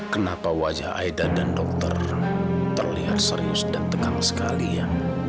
kenapa wajah aida dan dokter terlihat serius dan tegang sekali ya